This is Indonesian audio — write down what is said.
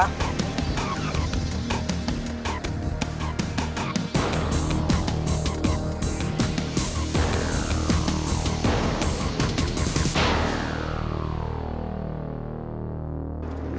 terima kasih pak ya